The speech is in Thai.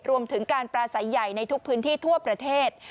รวมถึงการปราศัยใหญ่ในทุกพื้นที่ทั่วประเทศ